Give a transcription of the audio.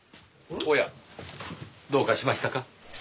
おやどうかしましたか？